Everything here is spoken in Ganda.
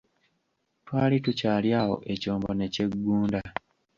Twali tukyali awo ekyombo ne kyeggunda.